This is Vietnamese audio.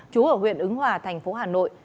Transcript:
chú ở huyện ứng hòa tp hà nội